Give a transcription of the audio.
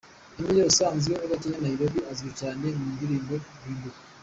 Emile usanzwe uba Kenya Nairobi, uzwi cyane mu ndirimbo Guhinduka.